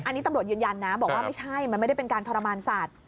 อันนี้ตำรวจยืนยันนะบอกว่าไม่ใช่มันไม่ได้เป็นการทรมานสัตว์